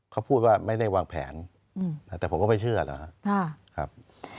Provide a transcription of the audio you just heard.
เขาพูดว่าไม่ได้วางแผนแต่ผมก็ไม่เชื่อเหรอครับ